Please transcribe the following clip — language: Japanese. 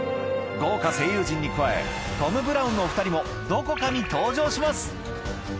豪華声優陣に加えトム・ブラウンのお２人もどこかに登場します